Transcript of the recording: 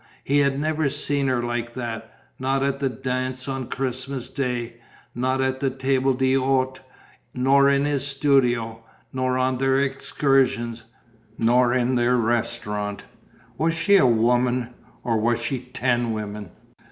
He had never seen her like that: not at the dance on Christmas Day, nor at the table d'hôte, nor in his studio, nor on their excursions, nor in their restaurant. Was she a woman, or was she ten women?